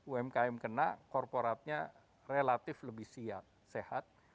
umkm kena korporatnya relatif lebih siap sehat